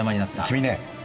君ね！